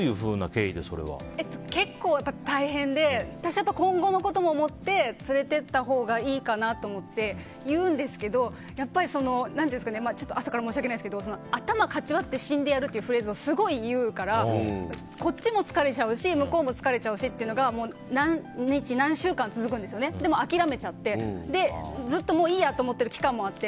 結構大変で、今後のことも思って連れてったほうがいいかなと思って言ったんですけど朝から申し訳ないですが頭かち割って死んでやるというフレーズをすごい言うからこっちも疲れちゃうし向こうも疲れちゃうしっていうのが何日、何週間と続いてだから諦めちゃってずっと、もういいやって思ってる期間もあって。